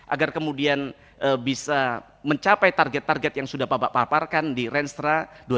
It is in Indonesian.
agar kemudian bisa mencapai target target yang sudah bapak paparkan di renstra